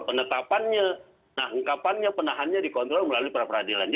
penetapannya nah pengkapannya penahannya dikontrol melalui pra peradilan